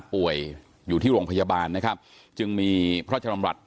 ป่วยอยู่ที่โรงพยาบาลนะครับจึงมีพระราชดำรัฐ